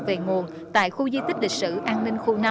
về nguồn tại khu di tích lịch sử an ninh khu năm